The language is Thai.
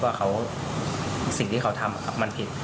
สิ่งที่เขาทำมันผิด